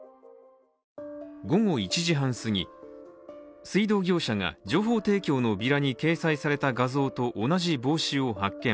午後１時半すぎ、水道業者が情報提供のビラに掲載されたものと同じ帽子を発見。